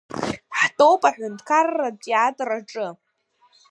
Ҳтәоуп Аҳәынҭҳарратә театр аҿы.